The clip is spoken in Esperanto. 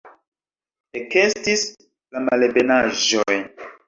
Ekestis la malebenaĵoj.